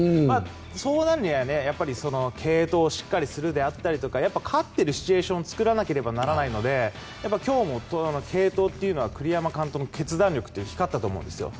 そうなるには継投をしっかりするであるとかやっぱり勝っているシチュエーションを作らなきゃならないので今日も継投というのは栗山監督の決断力が光ったと思うんですよ。